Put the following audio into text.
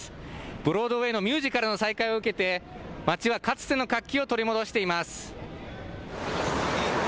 ブロードウェイのミュージカルの再開を受けて、街はかつての活気